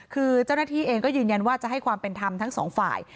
คือเจ้าหน้าที่เองก็ยืนยันว่าจะให้ความเป็นธรรมทั้งสองฝ่าย